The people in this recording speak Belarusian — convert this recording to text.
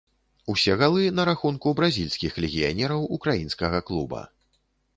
Усе галы на рахунку бразільскіх легіянераў украінскага клуба.